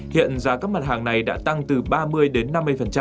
hiện giá các mặt hàng này đã tăng từ ba mươi đến năm mươi